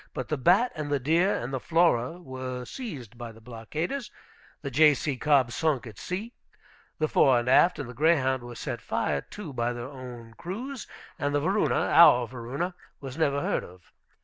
But the Bat and the Deer and the Flora were seized by the blockaders, the J.C. Cobb sunk at sea, the Fore and Aft and the Greyhound were set fire to by their own crews, and the Varuna (our Varuna) was never heard of.